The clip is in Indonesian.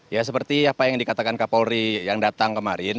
ya seperti apa yang dikatakan kak paul ri yang datang kemarin